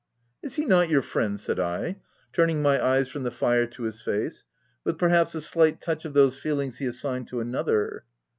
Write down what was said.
"Is he not your friend V* said I, turning my eyes from the fire to his face, with perhaps a slight touch of those feelings he assigned to another.